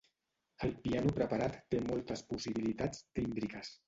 El piano preparat té moltes possibilitats tímbriques.